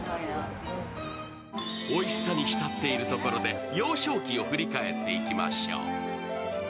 おいしさに浸っているところで幼少期を振り返っていきましょう。